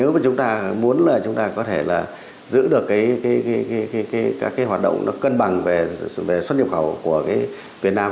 nếu mà chúng ta muốn là chúng ta có thể là giữ được cái hoạt động nó cân bằng về xuất nhập khẩu của cái việt nam